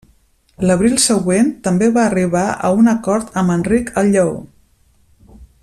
L'abril següent també va arribar a un acord amb Enric el Lleó.